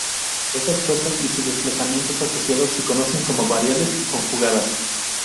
Estas fuerzas y sus desplazamientos asociados se conocen como "variables conjugadas.